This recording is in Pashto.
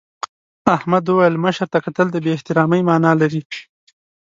احمد وویل مشر ته کتل د بې احترامۍ مانا لري.